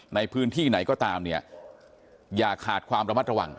ในพื้นที่ไหนก็ตามเนี่ยอย่าขาดความระมัดระวัง